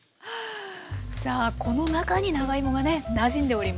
さあこの中に長芋がねなじんでおります。